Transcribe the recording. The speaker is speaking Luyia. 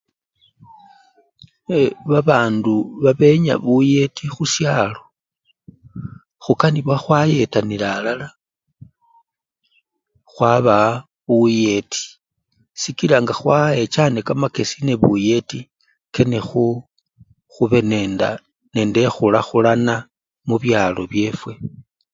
Ee babandu babenya buyeti hushalo, hukanibwa hwayetanila alala hwabawa buyeti, sikila nga hwawechane kamakesi nebuyeti kene hu-hube nenda-nende ehulahulana mubyalo byefwe